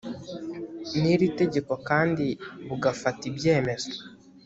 n iri tegeko kandi bugafata ibyemezo